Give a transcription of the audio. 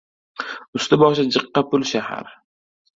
Usti boshi jiqqa pul shahar.